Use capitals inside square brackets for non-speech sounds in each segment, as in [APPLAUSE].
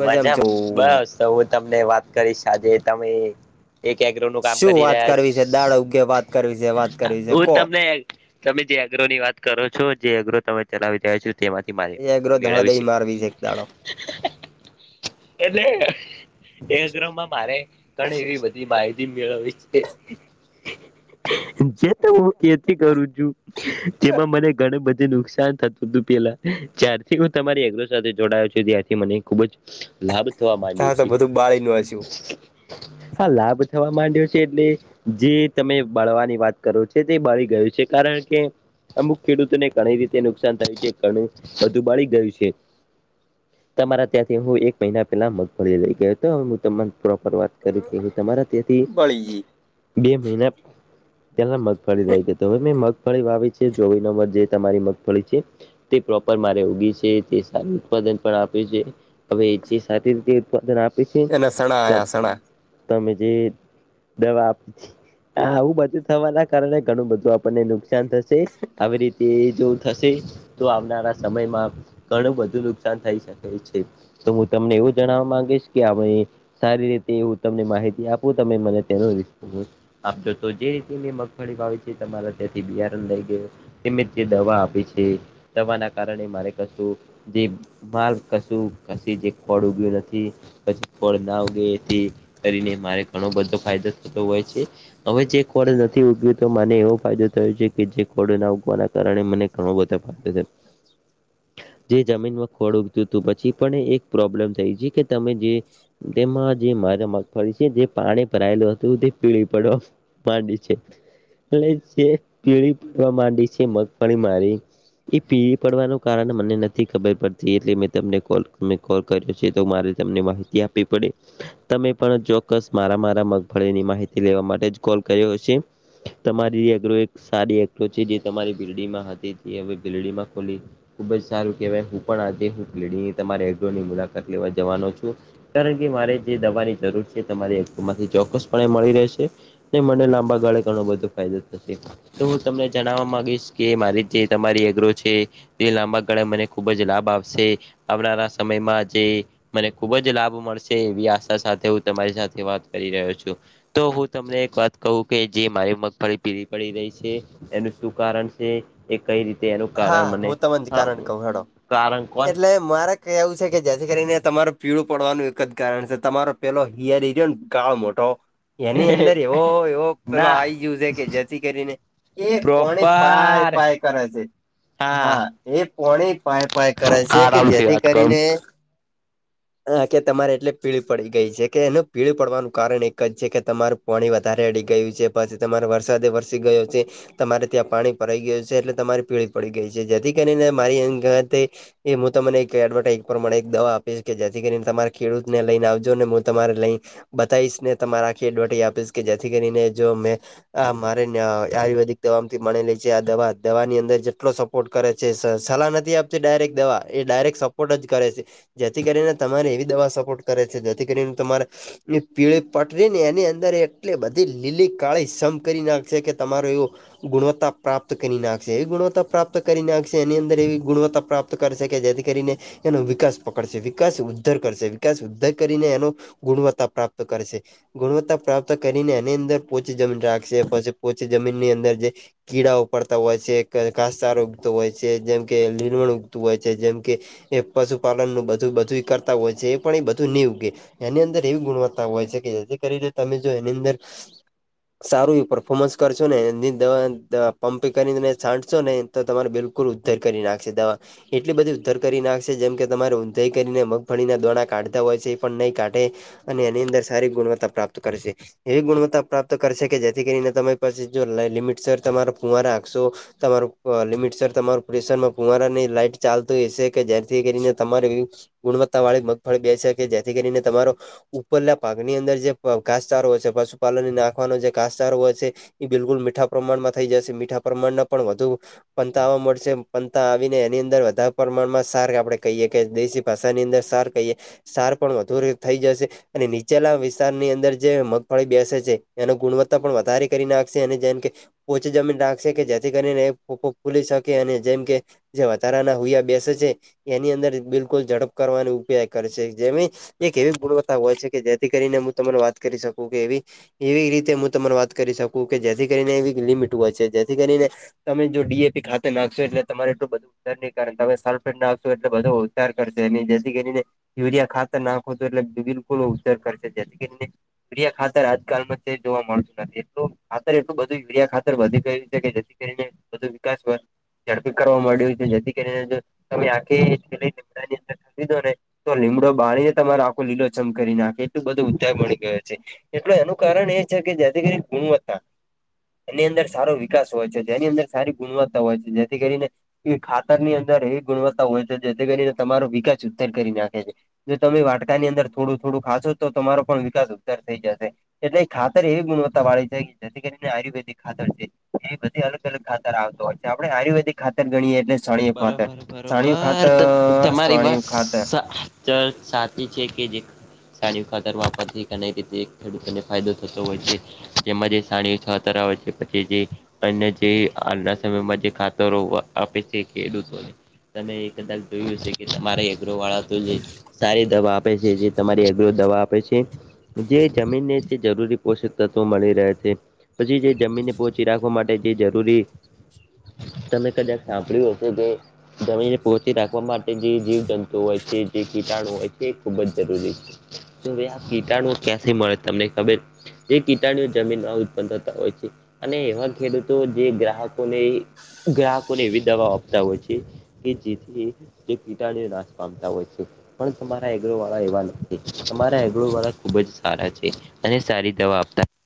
મજામ મજામાં? છું બસ તો હું તમને વાત કરીસ, આજે તમે એક એગ્રોનું કામ શું કરી વાત રહ્યા સ, કરવી છે દાળ ઉગે વાત કરવી છે વાત કરવી છે હું કો તમને તમે જે અગ્રોની વાત કરો છો, જે અગ્રો તમે ચલાવી રહ્યા છો તેમાંથી એગ્રો માહિતી મેળવવી ધળગઈ છે. મારવી એક દાડો એટલે એ [UNINTELLIGIBLE] માં મારે ઘણી એવી બધી માહિતી મેળવવી છે, જે ત હુ કેત [UNINTELLIGIBLE] કરું છું જેમાં મને ઘણું બધું નુકસાન થતુતુ પેલા. જ્યારથી હું તમારી એગ્રો સાથે જોડાયો છું ત્યારથી મને ખુબ જ લાભ થવા તા માંડ્યું તો છે બધું બાળી નું હસ્યું હા, લાભ થવા માંડ્યો છે એટલે જે તમે બાળવાની વાત કરો છો તે, બાળી ગયું છે કારણ કે અમુક ખેડૂતોને ઘણી રીતે નુકસાન થાય છે. ઘણું વધુ બાળી ગયું છે. તમારા ત્યાંથી હું એક મહિના પેલા મગફળી લઈ ગયો હતો હું તમન પ્રોપર વાત કરૂ કે હું તમારા ત્યાંથી બળી ગઈ બે મહિના ત્યા મેં મગફળી રહી ગઈ હવે મેં મગફળી વાવી છે, ચોવી નંબર, જે તમારી મગફળી છે તે પ્રોપર મારે ઉગી છે, તે સારું ઉત્પાદન આપી છે હવે જે રીતે ઉત્પાદન આપે છે. એના સણા આયા સણા તમે જે દવા આપ, આવું બધું થવાના કારણે ઘણું બધું આપ આપનને નુકસાન થશે, આવી રીતે જો થશે, તો આવનારા સમયમાં ઘણું બધું નુકસાન થઈ શકે એવું છે તો હું તમને એવું જણાવવા માંગીશ કે અ સારી રીતે એવું તમને માહિતી આપું તમે મને તેનો રસ્ન્ આપતો તો જે રીતે મેં મગફળી વાાવી છે. તમારા ત્યાંથી બિયારણ લઈ ગય મ જે દવા આપી છે દવાના કારણે મારે કશું જે માલ કશું કશી જ એક ફળ ઉગ્યું નથી. પછી ફળ નાગે કરીને મારે ઘણો બધો ફાયદો થતો હોય છે. હવે જે કોડ નથી ઉગ્યું તો મને એવો ફાયદો થયો છે કે જે ખોડ ના ઉગવાના કારણે મને ઘણું બધો ફદો છે. જે જમીનમાં ખોડ તો પછી પણ એક પ્રોબ્લેમ થઈ છે કે તમે જે તેમાં જે મારી મગફળી છે જે પાણી ભરાયેલું હતું તે પીળી પડ્યો. માંડી છે એટ જે પીળી પવા માંડી છે. મગફળી મારી એ પી પડવાનું કારણ મને નથી ખબર પડતી. એટલે મે તમને કોલ કોલ કર્યો છે તો મારે તમને માહિતી આપવી પડે. તમે પણ ચોક્કસ મારા મારા મગફળીની માહિતી લેવા માટે જ કોલ કર્યો હશે. તમારી અઘ્ર એક સારી એગ્ર છે જે તમારી બરડીમાં હતી હવે બીરડીમાં ખોલી ખુબ જ સારું કેવાય. હું પણ આ લ તમારેની મુલાકાત લેવા જવાનો છું. કારણ કે મારે જે દવાની જરૂર છે તમારીમાંથી ચોક્કસપણે મળી રહેશે. ન મને લાંબા ગાળે ઘણો બધો ફાયદો થશે. તો હું તમને જણાવવા મામાંગીશ કે મારી જે તમારી એગ્રો છે. તે લાંબા ગાળે મને ખુબ જ લાભ આપશે આવનારા સમયમાં જે મને ખુબ જ લાભ મળશે એવી આશા સાથે હું તમારી સાથે વાત કરી રહ્યો છું. તો હું તમને એક વાત કહું કે જે મારી મગફળી પીવી પડી રહી છે. એનું શું કારણ છે. એ કઈ રીતે એનું હા કારણ મને હું તમને હ કારણ કારણ કોન? કે એવું સે કે જેથી કરીને તમારું પીળું પડવાનું એક જ કારણ છે તમારો પેલો હિયરિયોને કાળ મોટ તો એની અંદર એવો એવો પેલો ના આ ગયું છે કે જેથી કરીને એ કોને પાાય પ્રોપર પાાય કરે છે. હા એ પોણે પાય પાય કરે છે આ કે રાઉલ થી જેથી વાત કરું કરીને હ કે તમારે એટલે પીળી પડી ગઈ છે કે એનું પીળી પડવાનું કારણ એક જ છે કે તમારું પાણી વધારે અડી ગયું છે પછી તમારો વરસાદે વરસી ગયો છે. તમારે ત્યાં પાણી પરાઈ ગયું છે એટલે તમારી પીળી પડી ગઈ છે જેથી કરીને મારી એ હું તમને એક એડવર્ટમાણે એક દવા આપીશ કે જેથી કરીને તમારા ખેડૂત ને લઈને આવજો ને હું તમારે લઈ બતાવીશ ને તમારે આખી એ ડોટી આપીશ કે જેથી કરીને જો મેં આ મારે આયુર્વેદિક દવા થી મળેલી છે. આ દવા દવા ની અંદર એટલો સપોર્ટ કરે છે સલાહ નથી આપતી ડાયરેક્ટ દવા એ ડાયરેક્ટ સપોર્ટ જ કરે છે. જેથી કરીને તમારે એવી દવા સપોર્ટ કરે છે જેથી કરીને તમારે એ પીળી પટરીને એની અંદર એટલે બધી લીલી કાળી સમ કરી નાખશે કે તમારો એવો ગુણવત્તા પ્રાપ્ત કરી નાખશે એ ગુણવતા પ્રાપ્ત કરી નાખશે એની અંદર એવી ગુણવત્તા પ્રાપ્ત કરશે કે જેથી કરીને એનો વિકાસ પકડશે, વિકાસ ઉદ્ધર કરશે, વિકાસ ઉદ્ધર કરીને એનો ગુણવત્તા પ્રાપ્ત કરશે. ગુણવત્તા પ્રાપ્ત કરીને એની અંદર પોચી જમીન રાખશે. પછી પોચી જમીનની અંદર જે કીડાઓ પડતા હોય છે એક ઘાસચારો ઉગતો હોય છે, જેમ કે લીલવણ ઉગતું હોય છે. જેમ કે એ પશુપાલનનું બધું બધુંએ કરતા હોય છે એ પણ એ બધું ની ઉગે. એની અંદર એવી ગુણવત્તા હોય છે કે જેથી કરીને તમે જો એની અંદર સારું એવું પર્ફોર્મન્સ કરશો ને એની દન દ પંપીંગ કરીને છાંટ સોને તો તમારે બિલકુલ ઉદ્ધર કરી નાખશે દવા. એટલી બધી ઉધર કરી નાખશે જેમ કે તમારે ઊંધઈ કરીને મગફળીના દોણા કાઢતા હોય છે એ પણ નહીં કાઢે. અને એની અંદર સારી ગુણવત્તા પ્રાપ્ત કરશે. એવી ગુણવત્તા પ્રાપ્ત કરશે કે જેથી કરીને તમે પછી જો લિમિટ સર તમારા ફુવા રાખશો. તમારું અ લિમિટસર તમારું પ્રેશરમાં ફુવારાની લાઈટ ચાલતી હશે કે જેથી કરીને તમારે ગુણવત્તાવાળી મગફળી બેસે કે જેથી કરીને તમારો ઉપરલા પાકની અંદર જે ઘાસચારો હોય છે પશુપાલનને નાખવાનો જે ઘાસચારો હોય છે. ઈ બિલકુલ મીઠા પ્રમાણમાં થઈ જશે મીઠા પ્રમાણના પણ વધુ પંતા આવવા મડશે પંતા આવીને એની અંદર વધારે પ્રમાણમાં સાર આપડે કહીએ કે દેશી ભાષાની અંદર સાર કહીએ સાર પણ વધુ રે થઈ જશે. અને નીચેલા વિસ્તારની અંદર જે મગફળી બેસે છે એનું ગુણવત્તા પણ વધારે કરી નાખશે અને જેમ કે પોચી જમીન રાખશે કે જેથી કરીને એ ફૂ ફુલી શકે અને જેમ કે જે વધારાના હુયા બેસે છે એની અંદર બિલકુલ ઝડપ કરવાનો ઉપયાય કરે છે જેમી એક એવી ગુણવત્તા હોય છે કે જેથી કરીને મું તમને વાત કરી શકું કે એવી એવી રીતે હુ તમને વાત કરી શકું કે જેથી કરીને એવી લિમિટ હોય છે જેથી કરીને તમે જો ડીએપી ખાતર નાખશો એટલે તમારે એટલું બધું સર નહી કારણ તમે સલ્ફેડ નાખશો એટલે બધો ઉતાર કરશે અને જેથી કરીને યુરિયા ખાતર નાખો તો એટલે [INAUDIBLE] ફુલ ઉધાર કરશે જેથી કરીને યુરિયા ખાતર આજકાલમાં ક્યાંય જોવા મળતું નથી એટલું ખાતર એટલું બધું યુરિયા ખાતર વધી ગયું છે કે જેથી કરીને બધું વિકાસ ભર ઝડપી કરવા મળ્યું કે જેથી કરીને તમે આખી લીમડાની અંદર કાપી દો ને તો લીમડો બાળીને તમારે આખો લીલો છમ કરી નાખે એટલું બધું ઉધાય મળી ગયો છે. એટલે એનું કારણ એ છે કે જેથી કરીને ગુણવત્તા એની અંદર સારો વિકાસ હોય છે. તેની અંદર સારી ગુણવત્તા હોય છે. જેથી કરીને એ ખાતર ની અંદર એવી ગુણવત્તા હોય છે જેથી કરીને તમારો વિકાસ ઉત્તર કરી નાખે છે. જો તમે વાટકા ની અંદર થોડું થોડું ખાશો તો તમારો પણ વિકાસ ઉધાર થઈ જશે. એટલે ખાતર એવી ગુણવત્તા વાળી છે જેથી કરીને આયુર્વેદિક ખાતર છે એ બધી અલગ- - ખાતર આવતો હોય છે આપણે આયુર્વેદિક- - ખાતર ગણીએે એટલે સોણિયું ખાતર બરોબર સાણિયું બરોબર ખાતર સાણિયું ખાતર. ચ સાતી છે કે જે સાણિયું ખાતર વાપરથી અને એ રીતે એક ખેડૂતોને ફાયદો થતો હોય છે. જેમાં જે સાણિયું ખાતર આવે છે પછી જે અને જે હાલના સમયમાં જે ખાતરો આપે છે ખેડૂતોને તમે એ કદાચ જોયું હશે કે તમારે એગ્રોવાળા તો જે સારી દવા આપે છે. જે તમારી એગ્રો દવા આપે છે જે જમીનને જે જરૂરી પોષક તત્વો મળી રહે છે. પછી જે જમીનને પોચી રાખવા માટે જે જરૂરી તમે કદાક સાભ ડીઓ છે જે જમીનને પોચી રાખવા માટે જે જીવજંતુ હોય છે. જે કીટાણુ હોય છે એ ખૂબ જ જરૂરી છે. જો ભાઈ આ કીટાણુ ક્યાંથી મળે તમને ખબર? જે કીટાણુઓ જમીનમાં ઉત્પન્ન થતા હોય છે. અને એવા ખેડૂતો જે ગ્રાહકોને ગ્રાહકોને એવી- - હોય છે કે જેથી કીટાણુ નાશ પામતા હોય છે. પણ તમારા એગરો વાળા એવા નથી તમારા એગરો વાળા ખુબ જ સારા છે. અને સારી દવા આપતા- -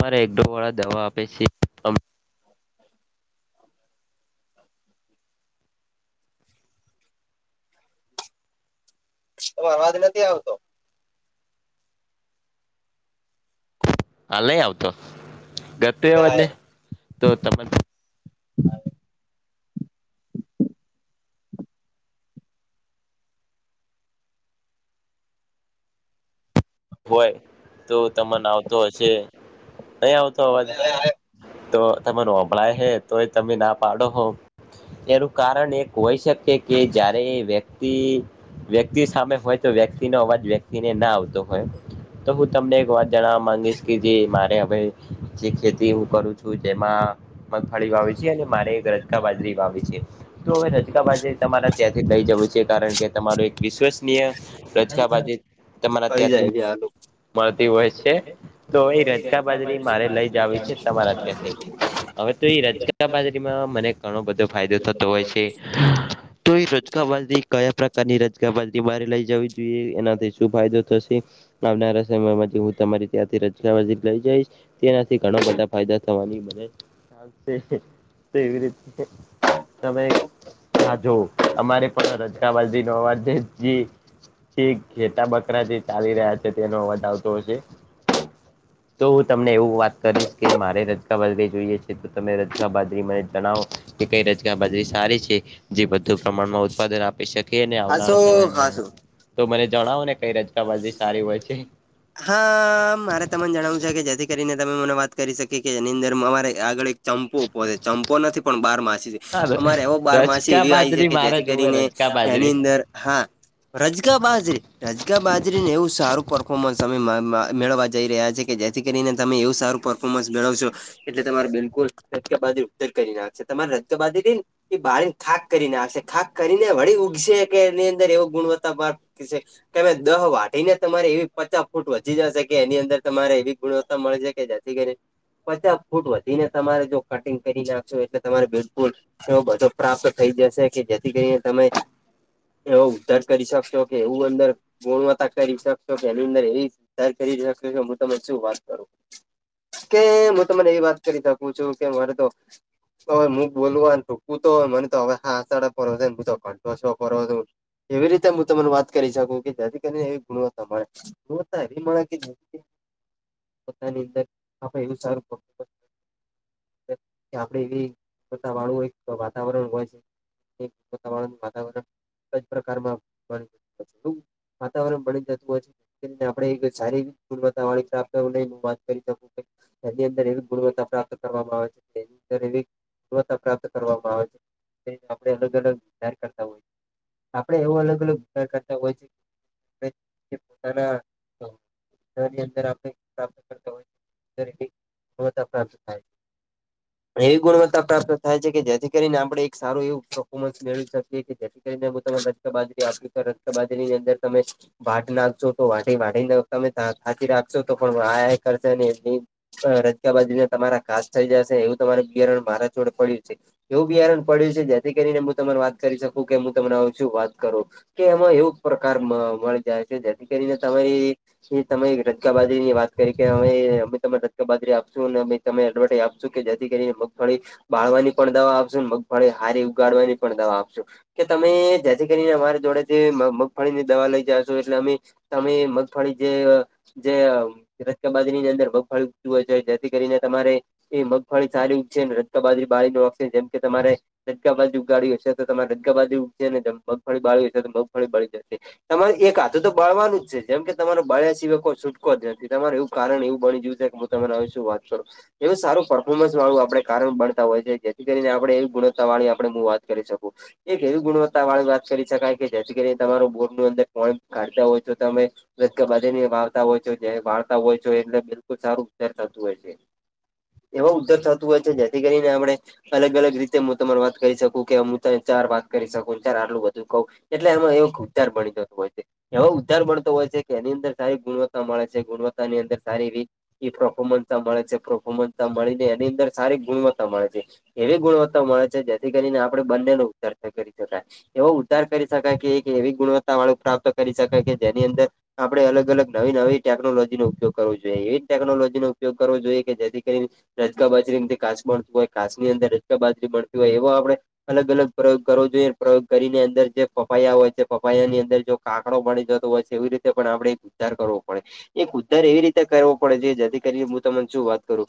પર એગરો વાળા દવા આપે છે. તો અવાજ નથી આવતો? હા નઈ આવતો ગત હવે અવાજને આયો તો તમે- - હોય તો તમને આવતો હશે નહી આવતો અવાજ? હવે આયો તો તમે નોભળાય હે તો એ તમે ના પાડો હો. એનું કારણ એક હોય શકે કે જ્યારે વ્યક્તિ- - વ્યક્તિ સામે હોય તો વક્ અવાજ વક્ ના આવતો હોય. તો હું તમને એક વાત જણવા માંગીશ કે જે મારે હવે જે ખેતી હું કરું છું જેમાં- - મગફાળી વાવેવી છે અને મારે એક રજકા બાજરી વાવી છે તો હવે રજકા બાજરી- - તમારે ત્યાંથી લઈ જવું છે કારણ કે તમારું એક વિશ્વસનીય રચકા બાજ તમારા- - ચી જાય આ લોકો- - મળતી હોય છે તો એ રજકા બાજરી મારે લઈ જવી છે તમારા ત્યાંથી? હવે તો એ રજગ બાજરીમાં મને ઘણો બધો ફાયદો થતો હોય લોકો છે તો- - રકાતી કયા પ્રકારની રજગાવાતી બહરે લઈ જવી જોઈએ એનાથી શું ફાયદો થશે? આવનારા સમય માં હું તમારી ત્યાંથી ર- - લઈ જઈ તેનાથી ઘણ બધા ફાયદા થવાની મ- - તો એવી રીતે તમે- - હા જોવ અમારે પણ રજગવાલજી નો અવાજે- - છેક ઘેતા બકરા જે- - ચાલી રહ્યા છે તેનો વધાવતો છે તો હું તમને એવું વાત કરીશ- - કે મારે રજગા બાાદરી જોઈએ છે તો તમે રજગા બાાદરી મને જણાવો? કઈ રજગ બાજરી સારી છે જે વધુ પ્રમાણમાં ઉત્પાદન આપ- - આપ શકીએ ને હાસો આવનારા સમયમાં હાસો તો મને જણાવો ને કઈ રજ- - હા મારે તમને જણાવવું છે કે જેથી કરીને તમે મને વાત કરી શકી કે જેની અંદર અરે આગળ- - ચંપો છે ચંપો નથી પણ બાર માસી- - હા, અમારે એવો બાર માસી રજકા એવી આવી છે બાજરી કે મારે જેથી જોવે કરીને રજકા એની બાજરી અંદર હા- - રજગા બાજરી રજગા બાજ- - આને એવું સારું પરર્ફોર્મન્સ અમે મેળવવા જઈ રહ્યા છીએ કે જેથી કરીને તમે એવું સારું પરર્ફોર્મન્સ મેળવશો- - એટલે તમારે બિલકુલ રબા ઉત્તર કરી નાખશે તમારે રજબંધ રઇને- - એ બારીને ખાક કરી નાખશે ખાક કરીને વળી ઉઊગશે કે એની અંદર એવ ગુણવત્તા છે કેમે દહ વાઢી ને તમારે એવી પચાસ ફૂટ વધી જશે કે એની અંદર તમારે એવી ગુણવત્તા મળી છે કે જેથી કરીને પચાસ ફૂટ વધીને તમારે જો કટિંગ કરી નાખશો એટલે તમારે બિલકુલ- - શ બધો પ્રાપ્ત થઈ જશે કે જેથી કરીને તમે- - એવો ઉદ્ધાર કરી શકશો કે એવું અંદર- - ગોણમાં ત કરી શકશો કે એની અંદર એવી કરી શકો હું તમે શું વાત કરું- - કે હું તમને એવી વાત કરી શકું છું કે વરે તો- - હવે હું બોલવુંને ટૂકવું તો હોય મને તો હવે હડા પરને હ તો ઘંટોસવા પર હતો. એવી રીતે હું તમને વાત કરી શકું કે- - જેથી કરીને એવી ગુણવત્તા મળે ગુણવત્તા એવી મળે કે- - પોતાની અંદર આપે એવું સારું પડતું. કે આપડે એ પોતા વાળું વાતાવરણ હોય છે. વાતાવરણ ક પ્રકારમાં- - વાતાવરણ બણી જતું હોય છે. આપ સારીુવતા વાળ પ્ર હું વાત કરી શકું કે એની અંદર એવી ગુણવત્તા પ્રાપ્ત કરવામાં આવે છે એની અંદર એવી ગુણવત્તા પ્રાપ્ત કરવામાં આવે છે આપણે અલગ અલગાર કરતા હોય આપડણે એવો અલગ અલગાર કરતા હોય છે ના ની અંદર આપ પ્રાપ્ત કરતા હોય પ્રાપ્ત થાય છે એવી ગુણવત્તા પ્રાપ્ત થાય છે કે જેથી કરીને આપણે એક સારું એવું પરફોર્મન્સ મેળવી શકીએ કે જેથી કરીને રક્ત બાજરી આપી છે રક્ત બાજરી ની અંદર તમે વાટ નાખશો તો વાટી વાઢને તમે ખાંસી રાખશો તો પણ આ કરશે ને એમ રજકા બાજીુને તમારા કાસ થઈ જશે એવું તમારે બિયરણ મારા છોડે પડ્યું છે એવું બિયારણ પડ્યું છે જેથી કરીનેું તમાર વાત કરી શકું કે હું તમને આવું છું વાત કરું કે એમાં એવું પ્રકાર માં મળી જાય છે જેથી કરીને તમારી એ તમે રજકા બાજરી ની વાત કરી કે અમે ત રજગ બાજરી આપશું ને અમે તમે એડવર્ટાઈઝ આપશો કે જેથી કરીને મગફોળડી બાળવાની પણ દવા આપશું ને મગફળી હારી ઉગાડવાની પણ દવા આપશું. કે તમે જેથી કરીને અમારી જોડે જે મ મ ગફળીની દવા લઈ જાશો એટલે અમે તમે મગફળી જે અહ જે અહ રજકબાજ ની અંદર બગફળ ઉગતું હોય છે જેથી કરીને તમારે એ મગફળી સારી ઉગજ રજકાબારી બાળી ઓ જેમ કે તમારે દટકા બાજુ ઉગાડી હશે તો તમારે દટકા બાજુગ ને જેમ મગફળી બાળી હશે તો મગફળી બળી જશે. તમારે એકાદું તો બળવાનું જ છે જેમ કે તમારો બળ્યા સિવાય કોઈ છૂટકો જ નથી તમારે એવું કારણ એવું બની ગયું છે કે તમે આવીશું વાત કર એવું સારું પર્ફોર્મન્સ વાળું આપડણે કારણ બનતા હોય છે જેથી કરીને આપડે એવી ગુણવત્તા વાળી આપડે હું વાત કરી શકું. એક એવી ગુણવત્તા વાળી વાત કરી શકાય કે જેથી કરી તમારો બોર ન અંદર પોઈ કાઢતા હોય તો તમે રટતા ભી મરતા હોય છે જે વાળતા હોય છો એટલે બિલકુલ સારું ઉપચાર થતું હોય છે. એવા ઉદ્ધર થતું હોય છે જેથી કરીને હમણે અલગ અલગ રીતે હું તમારી વાત કહી શકું કે હું ત ચાર વાત કરી શકું ચાર આટલું બધું કહું એટલે એમાં એવ ઉચાર બણી જતું હોય છે. એવો ઉદ્ધાર મળતો હોય છે કે એની અંદર સારી ગુણવત્તા મળે છે ગુણવત્તા ની અંદર સારી રી એ પરફોર્મન્સ મળે છે પરફોર્મન્સ તા મળીને એની અંદર સારી ગુણવત્તા મળે છે. એવી ગુણવત્તા મળે છે જેથી કરીને આપડે બંને નો ઉતારતા કરી શકાય. એવો ઉદ્ધાર કરી શકાય કે એક એવી ગુણવત્તા વાળું પ્રાપ્ત કરી શકાય કે જેની અંદર આપડે અલગ અલગ નવી નવી ટેકનોલોજી નો ઉપયોગ કરવો જોઈએ એવી જ ટેકનોલોજીનો ઉપયોગ કરવો જોઈએ કે જેથી કરી રજગ બાજરી એમથી કાચ મળતું હોય કાચ ની અંદર રજગા બાજરી મળતી હોય એવો આપડે અલગ અલગ પ્રયોગ કરવો જોઈએ પ્રયોગ કરીને અંદર જે ફફાયા હોય છે પપાયા ની અંદર જો કાકડો પાણી જતો હોય છે એવી રીતે પણ આપડે ઉદ્ધાર કરવો પડે. એક ઉદ્ધાર એવી રીતે કરવો પડે છે જેથી કરી હું તમને શું વાત કરું